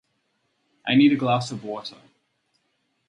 I need a glass of water.